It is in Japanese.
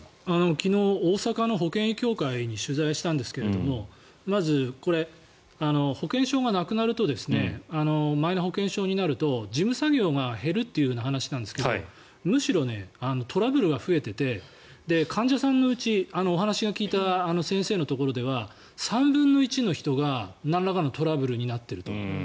昨日、大阪の保険医協会に取材したんですがまずこれ、保険証がなくなるとマイナ保険証になると事務作業が減るという話なんですがむしろトラブルが増えてて患者さんのうちお話を聞いた先生のところでは３分の１の人がなんらかのトラブルになっていると。